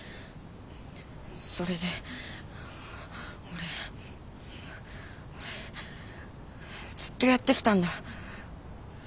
それで俺俺ずっとやってきたんだ。